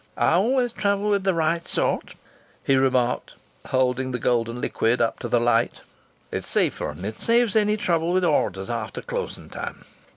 "I always travel with the right sort," he remarked, holding the golden liquid up to the light. "It's safer and it saves any trouble with orders after closing time....